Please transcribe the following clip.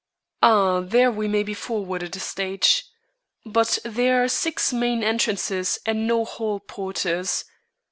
"Ah, there we may be forwarded a stage. But there are six main entrances and no hall porters.